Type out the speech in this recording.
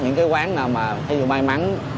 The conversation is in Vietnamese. những cái quán nào mà thí dụ may mắn